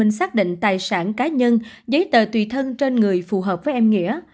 tp hcm xác định tài sản cá nhân giấy tờ tùy thân trên người phù hợp với em nghĩa